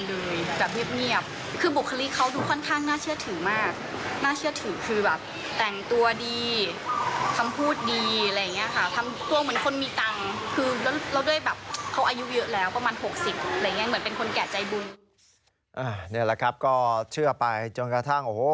นี่แหละครับก็เชื่อไปจนกระทั่งโอ้โห